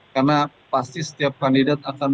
karena pasti setiap kandidat akan berpikir